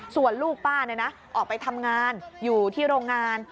ส่วนลูกป้าออกไปทำงานอยู่ที่โรงงาน